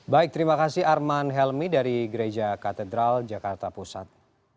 baik terima kasih arman helmi dari gereja katedral jakarta pusat